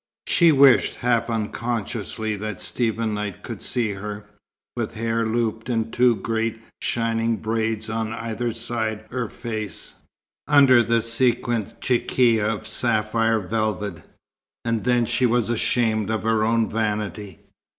She wished half unconsciously that Stephen Knight could see her, with hair looped in two great shining braids on either side her face, under the sequined chechia of sapphire velvet; and then she was ashamed of her own vanity.